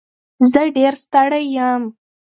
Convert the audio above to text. زه ډېر ستړی یم.